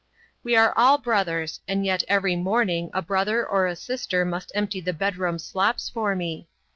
We are all brothers and yet every morning a brother or a sister must empty the bedroom slops for me.